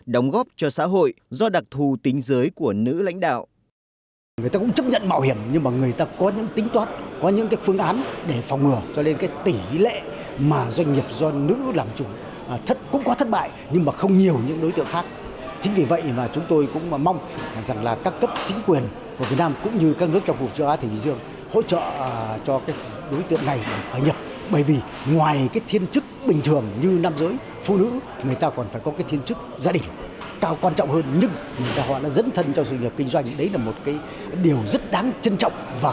đóng góp cho xã hội do đặc thù tính giới của nữ lãnh đạo